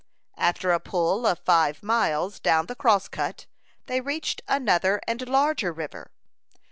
After a pull of five miles down the Crosscut, they reached another and larger river.